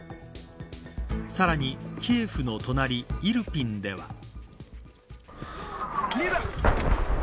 さらに、キエフの隣イルピンでは。